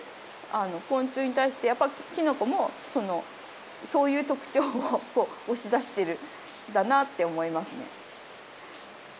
昆虫に対してやっぱりきのこもそういう特徴を押し出してるんだなって思いますね。